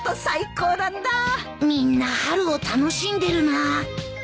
みんな春を楽しんでるな